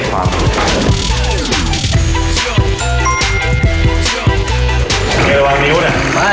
ต้องวางนิ้วหน่อย